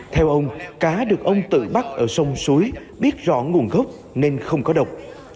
theo ông cá được ông tự bắt ở sông suối biết rõ nguồn gốc nên không có độc